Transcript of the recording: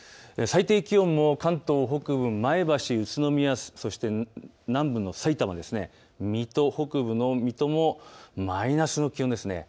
最低気温も関東北部、前橋、宇都宮、そして南部のさいたま、北部の水戸もマイナスの気温です。